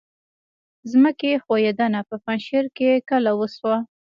ځمکې ښویدنه په پنجشیر کې کله وشوه؟